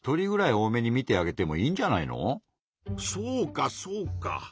そうかそうか。